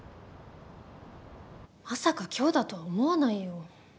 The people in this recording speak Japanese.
まさか今日だとは思わないよ。